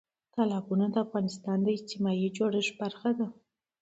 تالابونه د افغانستان د اجتماعي جوړښت برخه ده.